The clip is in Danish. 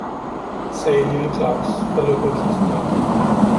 sagde lille Claus, og lukkede kisten op.